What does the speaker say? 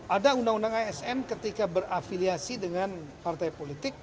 ada undang undang asn ketika berafiliasi dengan partai politik